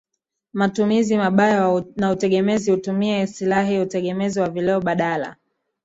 matumizi mabaya na utegemezi hutumia istilahi utegemezi wa vileo badala